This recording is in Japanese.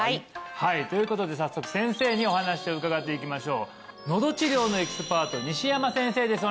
はいということで早速先生にお話を伺っていきましょうのど治療のエキスパート西山先生です